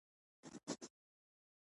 د اوبو لګولو ویالې څنګه جوړې کړم؟